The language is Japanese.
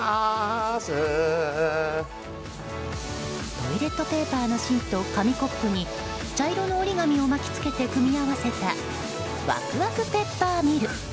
トイレットペーパーの芯と紙コップに茶色の折り紙を巻き付けて組み合わせたワクワクペッパーミル。